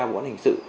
của quán hình sự